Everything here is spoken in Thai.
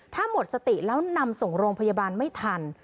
ถ้าหมดสติแล้วนำส่งโรงพยาบาลไม่ทัน